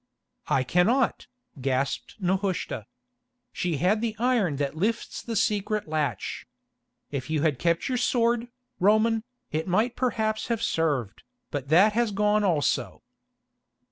"I cannot," gasped Nehushta. "She had the iron that lifts the secret latch. If you had kept your sword, Roman, it might perhaps have served, but that has gone also."